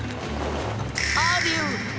アデュー！